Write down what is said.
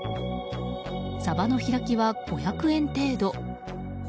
サバの開きは５００円程度。